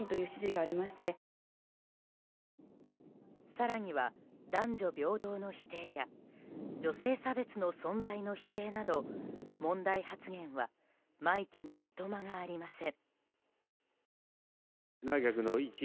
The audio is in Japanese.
更には男女平等の否定や女性差別の存在の否定など問題発言は枚挙にいとまがありません。